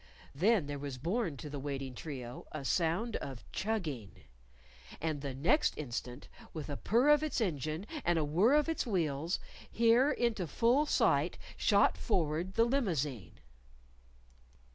Then there was borne to the waiting trio a sound of chugging. And the next instant, with a purr of its engine, and a whirr of its wheels, here into full sight shot forward the limousine!